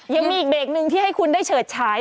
ยังมีอีกเบรกหนึ่งที่ให้คุณได้เฉิดฉาย